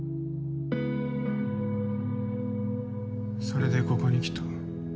それでここに来た。